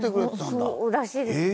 そうらしいです。